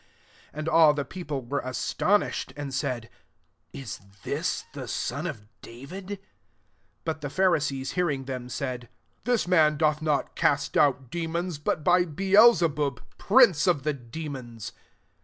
23 And all the people were astonished, and said, " Is this the son of David? 24 But the Pharisees hearing tAem, said, " This man doth not cast out demons, but by Beel zebub prince of the demons."